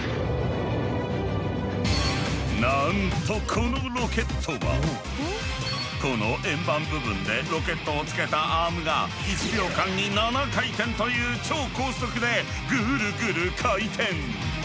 なんとこのロケットはこの円盤部分でロケットをつけたアームが１秒間に７回転という超高速でぐるぐる回転！